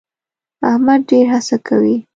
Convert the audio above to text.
احمد ډېر هڅه کوي.